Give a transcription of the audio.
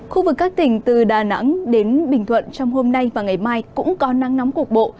khu vực các tỉnh từ đà nẵng đến bình thuận trong hôm nay và ngày mai cũng có nắng nóng cục bộ